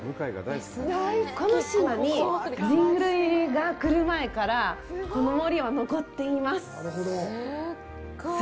この島に人類が来る前からこの森は残っています。